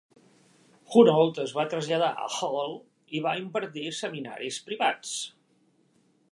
Hunold es va traslladar a Halle i va impartir seminaris privats.